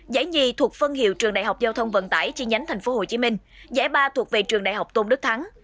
giải nhì thuộc phân hiệu trường đại học giao thông vận tải chi nhánh tp hcm giải ba thuộc về trường đại học tôn đức thắng